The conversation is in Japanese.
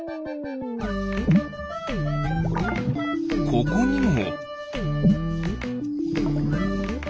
ここにも。